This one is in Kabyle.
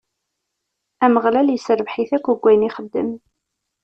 Ameɣlal isserbeḥ-it deg wayen akk ixeddem.